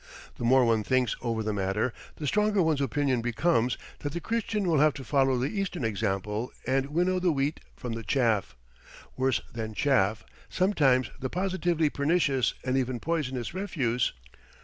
The more one thinks over the matter, the stronger one's opinion becomes that the Christian will have to follow the Eastern example and winnow the wheat from the chaff worse than chaff, sometimes the positively pernicious and even poisonous refuse.